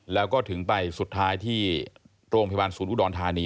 แล้วก็ถึงไปสุดท้ายที่โรงพยาบาลศูนย์อุดรธานี